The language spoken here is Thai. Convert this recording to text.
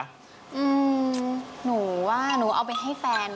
อืมหนูว่าหนูเอาไปให้แฟน